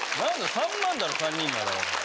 ３万だろ３人なら。